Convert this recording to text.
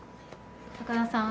高田さん